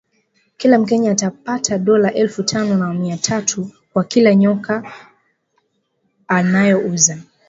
Kila mkenya atapata dola elfu tano na mia tatu kwa kila nyoka anayeuza